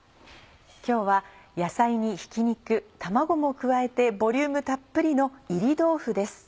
今日は野菜にひき肉卵も加えてボリュームたっぷりの「炒り豆腐」です。